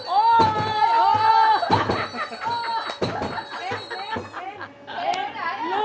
โอ้ยโอ้ย